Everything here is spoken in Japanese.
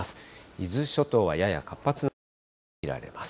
伊豆諸島はやや活発な雨雲も見られます。